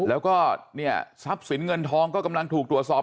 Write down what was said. แล้วก็เนี่ยทรัพย์สินเงินทองก็กำลังถูกตรวจสอบ